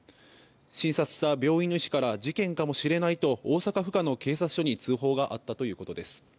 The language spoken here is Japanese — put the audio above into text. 診察した病院の医師から事件かもしれないと大阪府下の警察署に通報があったということです。